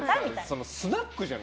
そのスナックじゃん。